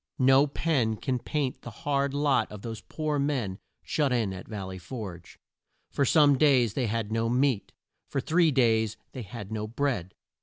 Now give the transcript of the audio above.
No pen can paint the hard lot of those poor men shut in at Val ley Forge. For some days they had no meat. For three days they had no bread.